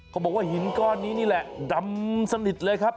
เขาบอกว่าหินก้อนนี้นี่แหละดำสนิทเลยครับ